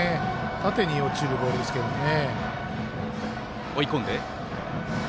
縦に落ちるボールですけどね。